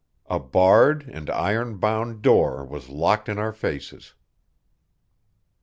A barred and iron bound door was locked in our faces.